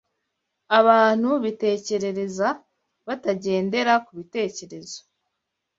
abantu bitekerereza batagendera ku bitekerezo